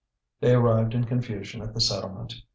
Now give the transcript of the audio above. They arrived in confusion at the settlement.